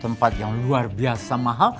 tempat yang luar biasa mahal